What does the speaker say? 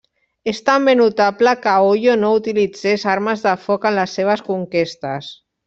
És també notable que Oyo no utilitzés armes de foc en les seves conquestes.